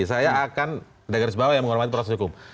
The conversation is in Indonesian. saya akan garis bawah ya menghormati proses hukum